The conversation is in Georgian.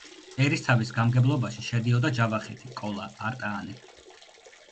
ერისთავის გამგებლობაში შედიოდა ჯავახეთი, კოლა, არტაანი.